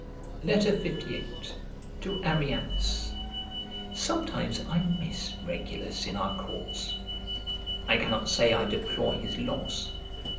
LVIII To ARRIANUS SOMETIMES I miss Regulus in our courts. I cannot say I deplore his loss.